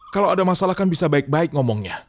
kalau ada masalah kan bisa baik baik ngomongnya